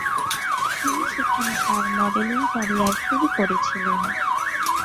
তিনি সেখানে তার মডেলিং ক্যারিয়ার শুরু করেছিলেন।